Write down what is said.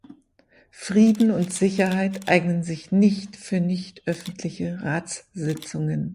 Frieden und Sicherheit eignen sich nicht für nichtöffentliche Ratssitzungen.